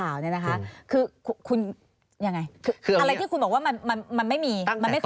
อะไรที่คุณบอกว่ามันไม่มี